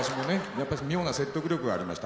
やっぱり妙な説得力がありました。